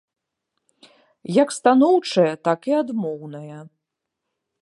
Як станоўчая, так і адмоўная.